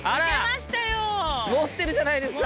持ってるじゃないですか。